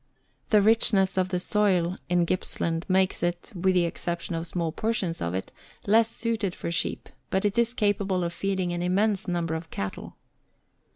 The richness of the soil in Gippsland makes it, with the exception of small portions of it, less suited for sheep, but it is capable of feeding an immense number of cattle.